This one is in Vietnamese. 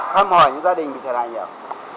thăm hỏi những gia đình bị thiệt hại nhiều